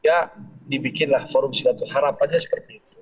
ya dibikinlah forum silaturahim harapannya seperti itu